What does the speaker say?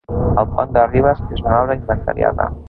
El Pont de Ribes és una obra inventariada.